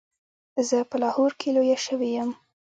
زه په لاهور کې لویه شوې یم.